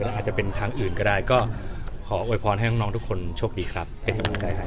อาจจะเป็นทางอื่นก็ได้ก็ขอโวยพรให้น้องทุกคนโชคดีครับเป็นกำลังใจให้